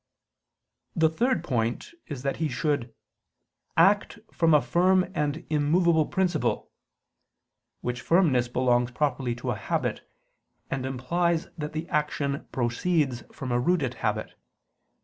The third point is that he should "act from a firm and immovable principle": which firmness belongs properly to a habit, and implies that the action proceeds from a rooted habit.